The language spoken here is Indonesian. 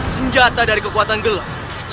senjata dari kekuatan gelap